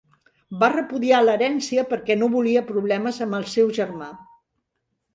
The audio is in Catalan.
Va repudiar l'herència perquè no volia problemes amb el seu germà.